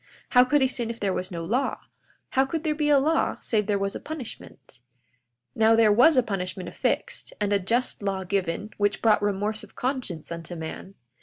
How could he sin if there was no law? How could there be a law save there was a punishment? 42:18 Now, there was a punishment affixed, and a just law given, which brought remorse of conscience unto man.